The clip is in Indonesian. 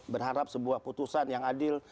berharap sebuah putusan yang adil